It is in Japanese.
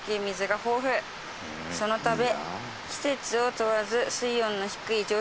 「そのため」